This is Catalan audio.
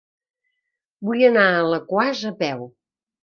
Vull anar a Alaquàs a peu.